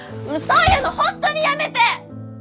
そういうの本当にやめて！